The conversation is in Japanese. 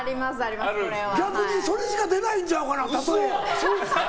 逆にそれしか出ないんちゃうかな。